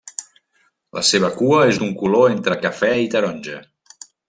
La seva cua és d'un color entre cafè i taronja.